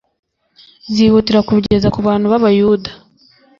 zihutira kubigeza ku bakunt b'Abayuda.